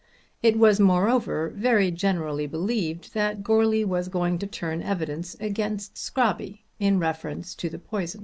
It was moreover very generally believed that Goarly was going to turn evidence against Scrobby in reference to the poison.